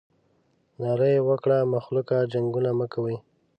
ناره یې وکړه مخلوقه جنګونه مه کوئ.